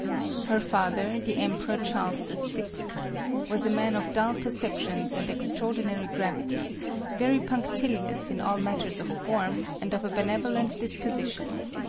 Her father, the Emperor Charles VI., was a man of dull perceptions and extraordinary gravity, very punc MARIA THERESA. 185 tilious in all matters of form, and of a benevolent dis position.